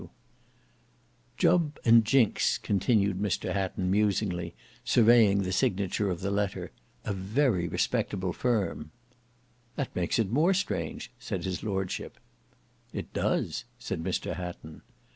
"Jubb and Jinks," continued Mr Hatton, musingly, surveying the signature of the letter. "A very respectable firm." "That makes it more strange," said his Lordship. "It does," said Mr Hatton.